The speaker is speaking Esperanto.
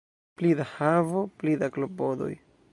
Pli da havo, pli da klopodoj.